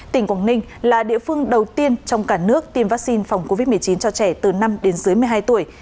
tỉnh quảng ninh là địa phương đầu tiên trong cả nước tiêm vaccine phòng covid một mươi chín cho trẻ từ năm đến dưới một mươi hai tuổi